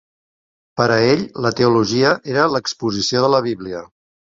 Per a ell la teologia era l'exposició de la Bíblia.